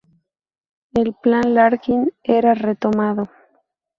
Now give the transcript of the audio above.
El Plan Larkin era retomado.